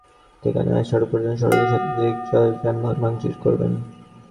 এরপর মিছিলকারীরা আম্বরখানা থেকে নয়া সড়ক পর্যন্ত সড়কে শতাধিক যানবাহন ভাঙচুর করেন।